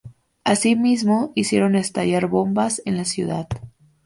Asimismo, hicieron estallar bombas en la ciudad.